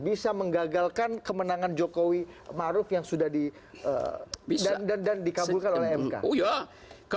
bisa menggagalkan kemenangan jokowi maruf yang sudah dan dikabulkan oleh mk